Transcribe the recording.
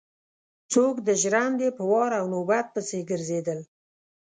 څوک د ژرندې په وار او نوبت پسې ګرځېدل.